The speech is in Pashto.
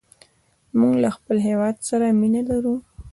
موږ له خپل هېواد سره مینه لرو.